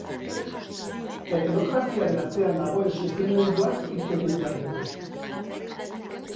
Teknokraziaren atzean dagoen sufrimenduaz hitz egin behar dugu.